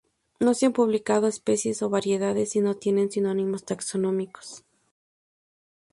No se han publicado especies o variedades, y no tiene sinónimos taxonómicos.